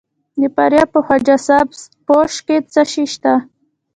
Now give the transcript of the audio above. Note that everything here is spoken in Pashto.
د فاریاب په خواجه سبز پوش کې څه شی شته؟